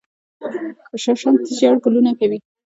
شړشم ژیړ ګلونه کوي